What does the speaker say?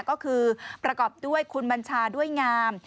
ก็คือประกอบด้วยคุณบัญชาด้วยงาม